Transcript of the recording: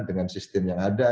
dengan sistem yang ada